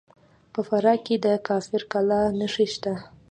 په فراه کې د کافر کلا نښې شته